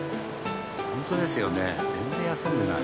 ホントですよね全然休んでない。